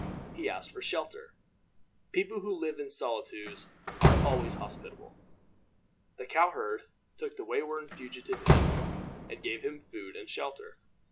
He asked for shelter. People who live in solitudes are always hospitable. The cow herd took the wayworn fugitive in, and gave him food and shelter.